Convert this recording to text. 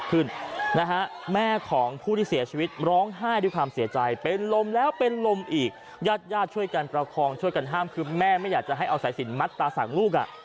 คือแม่ไม่อยากจะให้เอาสายสินมัดตาสั่งลูกอ่ะ